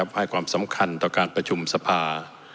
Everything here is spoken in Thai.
ให้ความสำคัญต่อการประชุมสภา